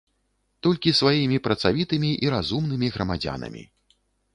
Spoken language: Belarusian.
Толькі сваімі працавітымі і разумнымі грамадзянамі.